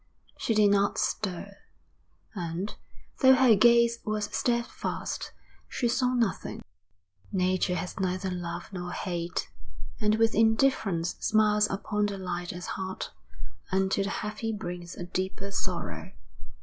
She did not stir; and, though her gaze was steadfast, she saw nothing. Nature has neither love nor hate, and with indifference smiles upon the light at heart and to the heavy brings a deeper sorrow.